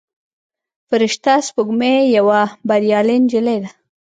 فرشته سپوږمۍ یوه بریالۍ نجلۍ ده.